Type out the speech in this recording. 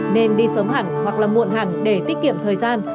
nên đi sớm hẳn hoặc là muộn hẳn để tiết kiệm thời gian